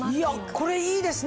これいいですね。